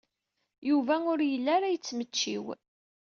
Yuba ur yelli ara yettmecčiw.